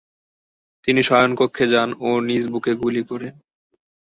তিনি শয়ণকক্ষে যান ও নিজ বুকে গুলি করেন।